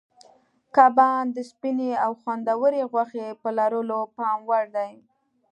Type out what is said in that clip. کبان د سپینې او خوندورې غوښې په لرلو پام وړ دي.